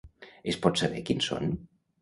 Es pot saber quins són?